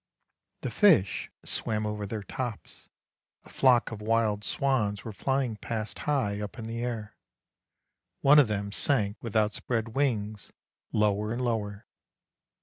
The fish swam over their tops ; a flock of wild swans were flying past high up in the air ; one of them sank with outspread wings lower and lower.